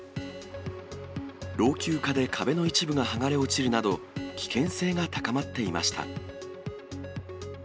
老朽化で壁の一部が剥がれ落ちるなど、危険性が高まっていました。